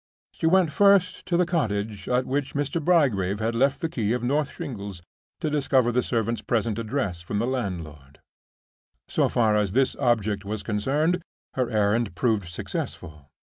She went first to the cottage at which Mr. Bygrave had left the key of North Shingles, to discover the servant's present address from the landlord. So far as this object was concerned, her errand proved successful.